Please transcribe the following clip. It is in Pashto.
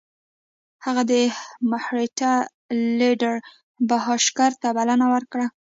هغه د مرهټه لیډر بهاشکر ته بلنه ورکړه.